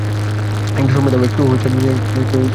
একটু সময় নাও।